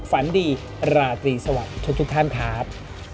ฝันดีราตรีสวัสดีทุกท่านครับ